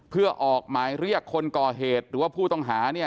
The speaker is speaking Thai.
เพื่อออกหมายเรียกคนก่อเหตุหรือว่าผู้ต้องหา